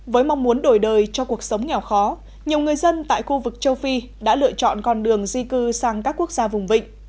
với mong muốn đổi đời cho cuộc sống nghèo khó nhiều người dân tại khu vực châu phi đã lựa chọn con đường di cư sang các quốc gia vùng vịnh